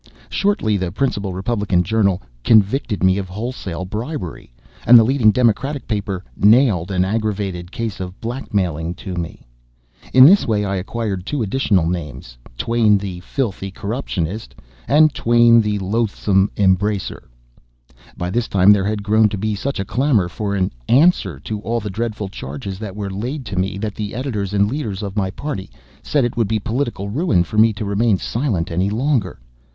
Shortly the principal Republican journal "convicted" me of wholesale bribery, and the leading Democratic paper "nailed" an aggravated case of blackmailing to me. [In this way I acquired two additional names: "Twain the Filthy Corruptionist" and "Twain the Loathsome Embracer."] By this time there had grown to be such a clamor for an "answer" to all the dreadful charges that were laid to me that the editors and leaders of my party said it would be political ruin for me to remain silent any longer.